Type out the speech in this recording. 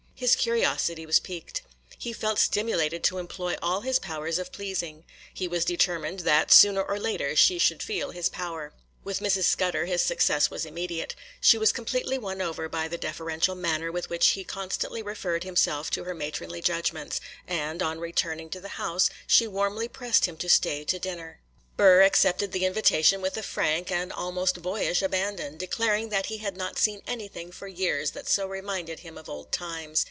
His curiosity was piqued. He felt stimulated to employ all his powers of pleasing. He was determined that, sooner or later, she should feel his power. With Mrs. Scudder his success was immediate: she was completely won over by the deferential manner with which he constantly referred himself to her matronly judgments; and, on returning to the house, she warmly pressed him to stay to dinner. Burr accepted the invitation with a frank and almost boyish abandon, declaring that he had not seen anything for years that so reminded him of old times.